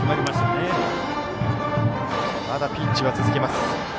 まだピンチは続きます。